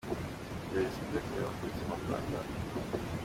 jenoside yakorewe abatutsi mu rwanda.